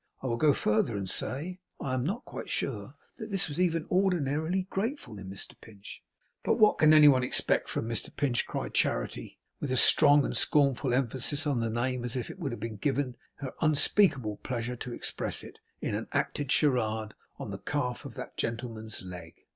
I will go further and say, I am not quite sure that this was even ordinarily grateful in Mr Pinch.' 'But what can anyone expect from Mr Pinch!' cried Charity, with as strong and scornful an emphasis on the name as if it would have given her unspeakable pleasure to express it, in an acted charade, on the calf of that gentleman's leg.